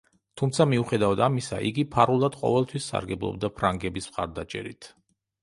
თუმცა, მიუხედავად ამისა, იგი ფარულად ყოველთვის სარგებლობდა ფრანგების მხარდაჭერით.